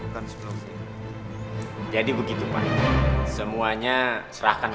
kasian keluarga burhan